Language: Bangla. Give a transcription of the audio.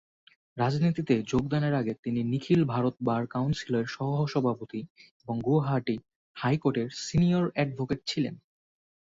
রাজনীতিতে যোগদানের আগে তিনি নিখিল ভারত বার কাউন্সিলের সহ সভাপতি এবং গুয়াহাটি হাইকোর্টের সিনিয়র অ্যাডভোকেট ছিলেন।